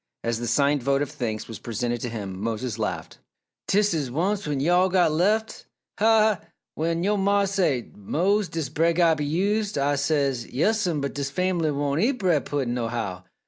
As the signed vote of thanks was presented to him, Mose laughed. "Dis is once when yo' all get lef'! Ha, ha, ha! When yo' mah say, 'Mose, dis bread gotta be used', Ah says, 'Yes'm, but dis fam'bly won't eat bread pudding, nohow!